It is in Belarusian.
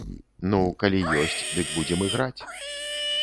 Ну, калі ёсць, дык будзем іграць.